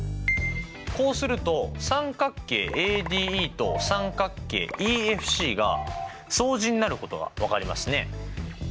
こうすると三角形ＡＤＥと三角形ＥＦＣが相似になることが分かりますね。